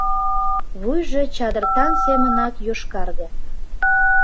Вуйжо чадыртан семынак йошкарге.